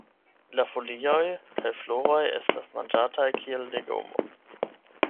La folioj kaj floroj estas manĝataj kiel legomo.